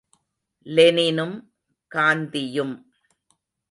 லெனினும் காந்தியும் ….